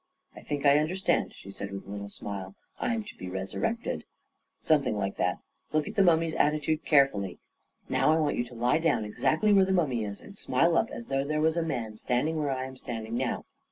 " I think I understand," she said, with a little smile. " I am to be resurrected." i8 4 A KING IN BABYLON " Something like that Look at the mummy's at titude carefully. Now I want you to lie down ex actly where the mummy is, and smile up as though there was a man standing where I am standing now.